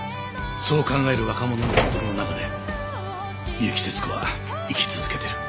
そう考える若者の心の中で結城節子は生き続けてる。